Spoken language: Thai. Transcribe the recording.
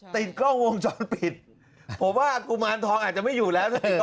ติดกล้องวงจรปิดผมว่ากุมารทองอาจจะไม่อยู่แล้ว